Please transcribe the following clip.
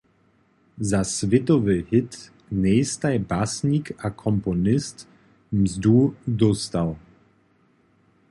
Za swětowy hit njejstaj basnik a komponist mzdu dóstał.